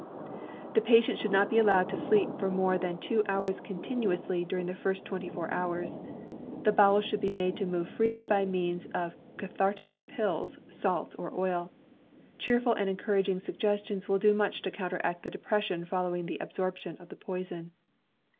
The patient should not be allowed to sleep for more than two hours continuously durmg the first twenty four hours. The bowels should be made to move freely by means of cathar tic pills, salts or oil. Cheerful and encouraging suggestions will do much to counteract the depression following the ab sorption of the poison.